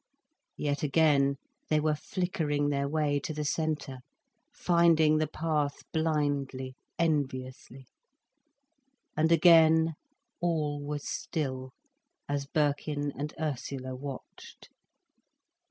Yet again, they were flickering their way to the centre, finding the path blindly, enviously. And again, all was still, as Birkin and Ursula watched.